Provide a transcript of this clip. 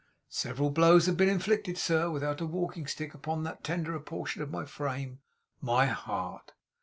Several blows have been inflicted, sir, without a walking stick, upon that tenderer portion of my frame my heart.